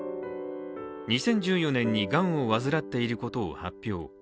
２０１４年にがんをわずらっていることを発表。